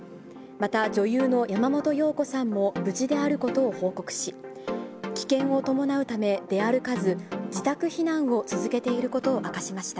また、女優の山本陽子さんも無事であることを報告し、危険を伴うため出歩かず、自宅避難を続けていることを明かしました。